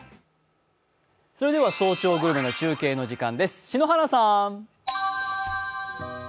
それでは「早朝グルメ」の中継の時間です。